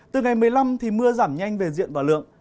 từ ngày một mươi năm mưa giảm nhanh về diện và lượng